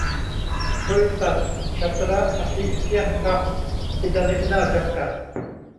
บริษัท ฉัตรอภิเที่ยงค่ำอินเตอร์เนชั่นแนล จำกัด